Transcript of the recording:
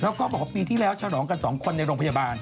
แล้วก็บอกว่าปีที่แล้วฉลองกัน๒คนในโรงพยาบาล